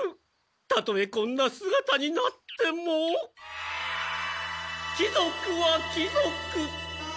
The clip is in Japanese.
たとえこんなすがたになっても貴族は貴族！